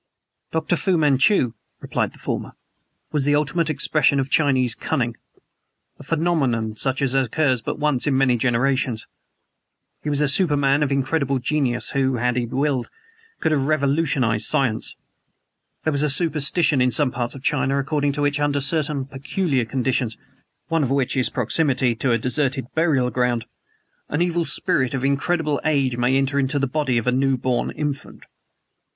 "Dr. Fu Manchu," replied the former, "was the ultimate expression of Chinese cunning; a phenomenon such as occurs but once in many generations. He was a superman of incredible genius, who, had he willed, could have revolutionized science. There is a superstition in some parts of China according to which, under certain peculiar conditions (one of which is proximity to a deserted burial ground) an evil spirit of incredible age may enter unto the body of a new born infant.